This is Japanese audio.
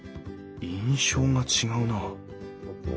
印象が違うなあ。